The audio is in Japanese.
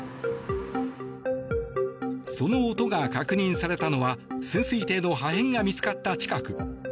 その音が確認されたのは潜水艇の破片が見つかった近く。